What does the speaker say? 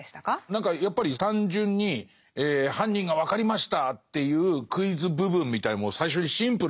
何かやっぱり単純に犯人が分かりましたっていうクイズ部分みたいのも最初にシンプルに書いて。